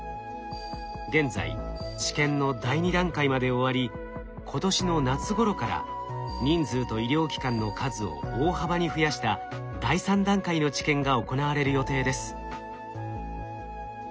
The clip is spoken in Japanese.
現在治験の第２段階まで終わり今年の夏ごろから人数と医療機関の数を大幅に増やした第３段階の治験が行われる予定です。